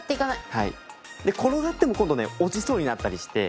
転がっても今度ね落ちそうになったりして。